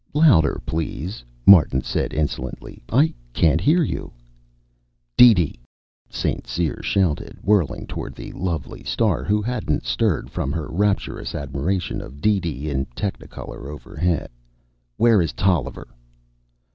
"Louder, please," Martin said insolently. "I can't hear you." "DeeDee," St. Cyr shouted, whirling toward the lovely star, who hadn't stirred from her rapturous admiration of DeeDee in technicolor overhead. "Where is Tolliver?"